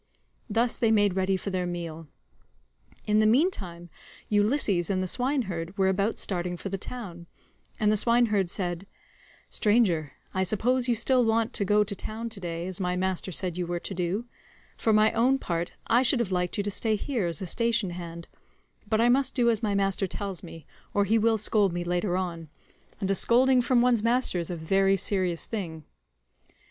141 Thus they made ready for their meal. In the meantime Ulysses and the swineherd were about starting for the town, and the swineherd said, "Stranger, I suppose you still want to go to town to day, as my master said you were to do; for my own part I should have liked you to stay here as a station hand, but I must do as my master tells me, or he will scold me later on, and a scolding from one's master is a very serious thing.